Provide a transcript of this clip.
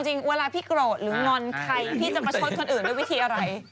จริงเวลาพี่โกรธหรืองอนใครที่จะประชดคนอื่นด้วยวิธีอะไร